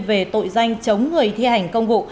về tội danh chống người thi hành không vụ